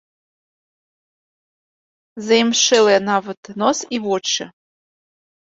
Заімшэлыя нават нос і вочы.